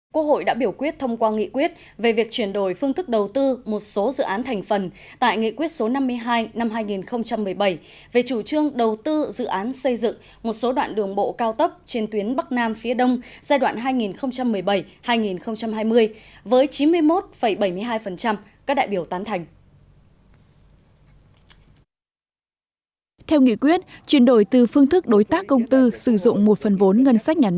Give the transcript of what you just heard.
quốc hội đã biểu quyết thông qua nghị quyết về việc chuyển đổi phương thức đầu tư một số dự án thành phần tại nghị quyết số năm mươi hai năm hai nghìn một mươi bảy về chủ trương đầu tư dự án xây dựng một số đoạn đường bộ cao tấp trên tuyến bắc nam phía đông giai đoạn hai nghìn một mươi bảy hai nghìn hai mươi với chín mươi một bảy mươi hai các đại biểu tán thành